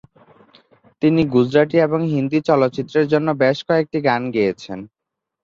তিনি গুজরাটি এবং হিন্দি চলচ্চিত্রের জন্য বেশ কয়েকটি গান গেয়েছেন।